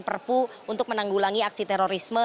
perpu untuk menanggulangi aksi terorisme